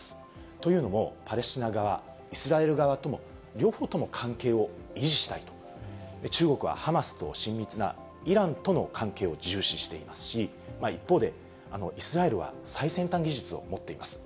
というのも、パレスチナ側、イスラエル側とも、両方とも関係を維持したいと、中国はハマスと親密なイランとの関係を重視していますし、一方で、イスラエルは最先端技術を持っています。